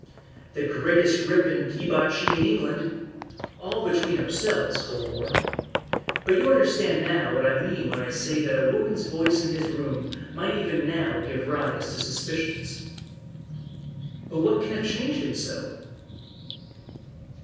"The greatest rip and debauchee in England! All between ourselves, Colmore. But you understand now what I mean when I say that a woman's voice in his room might even now give rise to suspicions." "But what can have changed him so?"